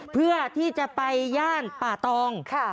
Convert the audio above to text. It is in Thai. เพื่อที่จะไปย่านป่าตอง